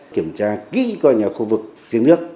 kiểm tra kỹ qua nhà khu vực giếng nước